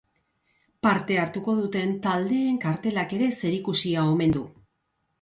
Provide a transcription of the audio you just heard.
Parte hartuko duten taldeen kartelak ere zerikusia omen du.